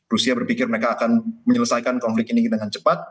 rusia berpikir mereka akan menyelesaikan konflik ini dengan cepat